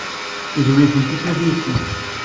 Yedwi-tent i snat yid-sent.